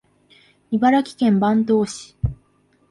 茨城県坂東市